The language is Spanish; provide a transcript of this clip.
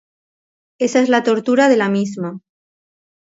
Esa es la tortura de la misma.